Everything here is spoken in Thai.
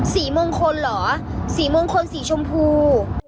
สีมงคลเหรอสีมงคลสีชมพู